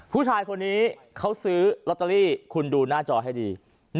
ผู้ชายคนนี้เขาซื้อลอตเตอรี่คุณดูหน้าจอให้ดี